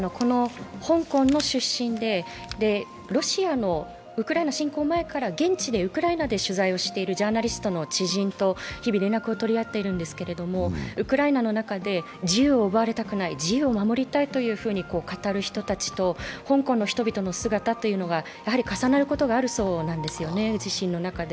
香港の出身でロシアのウクライナ侵攻前から現地でウクライナで取材しているジャーナリストの知人と日々、連絡を取り合っているんですけれどもウクライナの中で自由を奪われたくない、自由を守りたいと語る人たちと香港の人たちの姿が重なることがあるそうなんですね。